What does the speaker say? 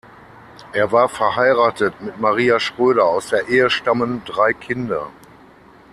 Er war verheiratet mit Maria Schröder; aus der Ehe stammen drei Kinder.